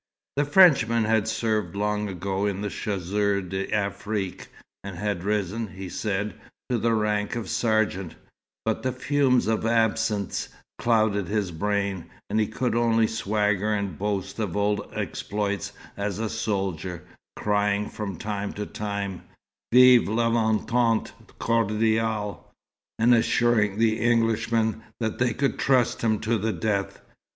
The Frenchman had served long ago in the Chasseurs d'Afrique, and had risen, he said, to the rank of sergeant; but the fumes of absinthe clouded his brain, and he could only swagger and boast of old exploits as a soldier, crying from time to time "Vive l'entente cordiale," and assuring the Englishmen that they could trust him to the death.